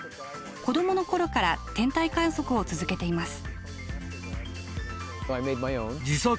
子供の頃から天体観測を続けています。